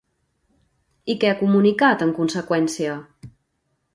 I què ha comunicat, en conseqüència?